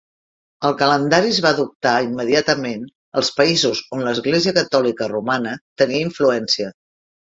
El calendari es va adoptar immediatament als països on l'Església Catòlica Romana tenia influència.